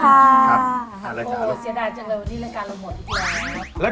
โอ้โหเสียดายจังเลยวันนี้รายการเราหมดดีกว่า